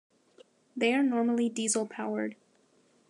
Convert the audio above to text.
They are normally diesel powered.